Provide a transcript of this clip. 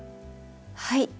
はい。